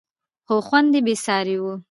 خو خوند یې بېساری و.